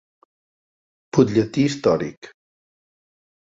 Butlletí històric.